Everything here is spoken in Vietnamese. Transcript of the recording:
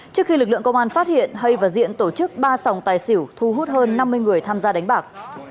trước khi lực lượng công an phát hiện hay và diện tổ chức ba sòng tài xỉu thu hút hơn năm mươi người tham gia đánh bạc